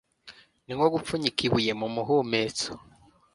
ni nko gupfunyika ibuye mu muhumetso